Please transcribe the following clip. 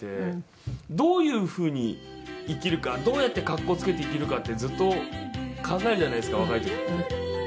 どういう風に生きるかどうやって格好付けて生きるかってずっと考えるじゃないですか若い時って。